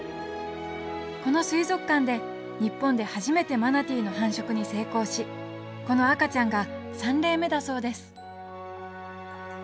この水族館で日本で初めてマナティーの繁殖に成功しこの赤ちゃんが３例目だそうです。